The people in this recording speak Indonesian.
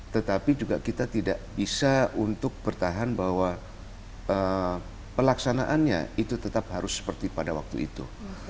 tetapi juga kita tidak bisa untuk bertahan bahwa pelaksanaannya itu tetap harus seperti pada waktu itu